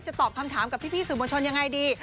ตอบคำถามกับพี่สื่อมวลชนยังไงดี